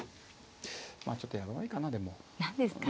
まあちょっとやらないかなでも。何ですか？